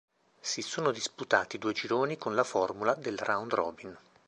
Si sono disputati due gironi con la formula del round-robin.